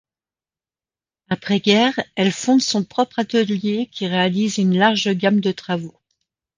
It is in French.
Après guerre, elle fonde son propre atelier qui réalise une large gamme de travaux.